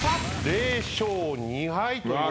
０勝２敗という。